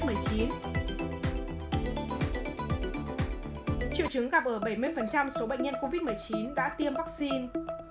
triệu chứng gặp ở bảy mươi số bệnh nhân covid một mươi chín đã tiêm vaccine